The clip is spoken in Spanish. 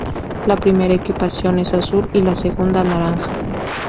La primera equipación es azul y la segunda naranja.